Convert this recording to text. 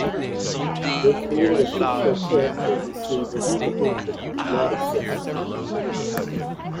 They created a fictional character-who seemed believable, but who did not exist.